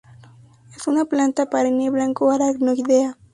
Es una planta perenne, blanco-aracnoidea.